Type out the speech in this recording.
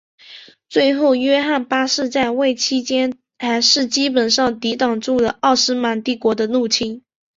最后约翰八世在位期间还是基本上抵挡住了奥斯曼帝国的入侵。